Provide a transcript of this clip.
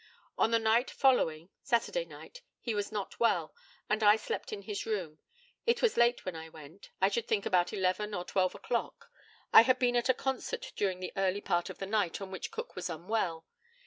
On the night following (Saturday night) he was not well, and I slept in his room. It was late when I went; I should think about eleven or twelve o'clock. I had been at a concert during the early part of the night on which Cook was unwell.